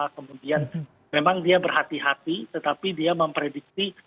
kemudian memang dia berhati hati tetapi dia memprediksi